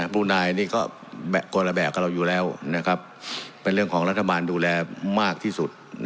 ผู้นายนี่ก็คนละแบบกับเราอยู่แล้วเป็นเรื่องของรัฐบาลดูแลมากที่สุด